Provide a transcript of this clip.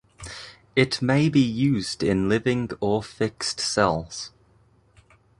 It may be used in living or fixed cells.